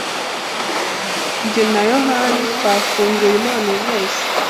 Jye na yahani twafunguye impano zose.